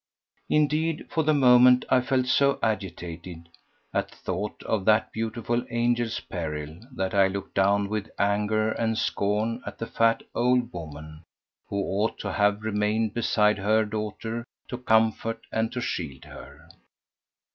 Indeed for the moment I felt so agitated at thought of that beautiful angel's peril that I looked down with anger and scorn at the fat old woman who ought to have remained beside her daughter to comfort and to shield her.